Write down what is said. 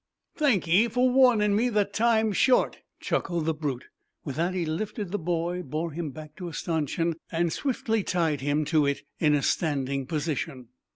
"Thank ye for warnin' me that the time's short," chuckled the brute. With that he lifted the boy, bore him back to a stanchion, and swiftly tied him to it in a standing position.